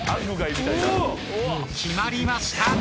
決まりました！